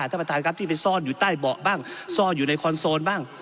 ท่านประธานครับที่ไปซ่อนอยู่ใต้เบาะบ้างซ่อนอยู่ในคอนโซนบ้าง